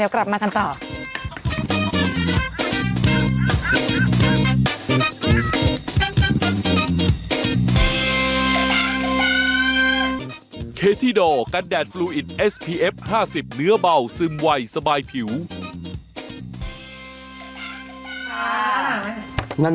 กลับมากันต่อ